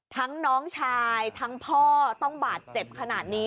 น้องชายทั้งพ่อต้องบาดเจ็บขนาดนี้